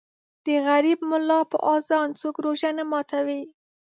د غریب ملا په اذان څوک روژه نه ماتوي.